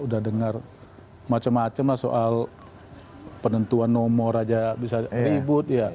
udah dengar macam macam lah soal penentuan nomor aja bisa ribut ya